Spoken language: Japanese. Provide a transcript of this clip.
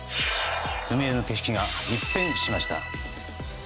海辺の景色が一変しました。